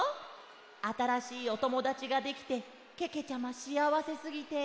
あたらしいおともだちができてけけちゃましあわせすぎて。